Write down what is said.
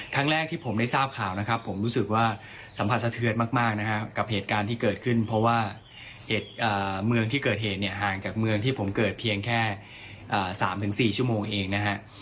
ครั้งแรกที่ผมได้ทราบข่าวนะครับผมรู้สึกว่าสัมผัสสะเทือนมากนะครับกับเหตุการณ์ที่เกิดขึ้นเพราะว่าเหตุเมืองที่เกิดเหตุเนี่ยห่างจากเมืองที่ผมเกิดเพียงแค่๓๔ชั่วโมงเองนะฮะ